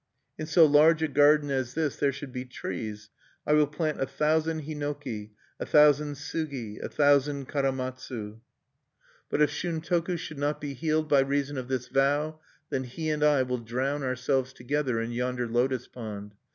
"In so large a garden as this there should be trees. I will plant a thousand hinoki, a thousand sugi, a thousand karamatsu. "But if Shuntoku should not be healed by reason of this vow, then he and I will drown ourselves together in yonder lotos pond.